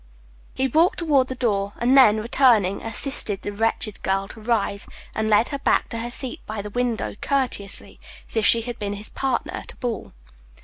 He walked toward the door, and then, returning, assisted the wretched girl to rise, and led her back to her seat by the window, courteously, as if she had been his partner at a ball.